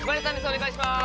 お願いします。